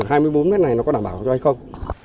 cái này nó có đảm bảo cho ai không